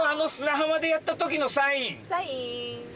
サイン！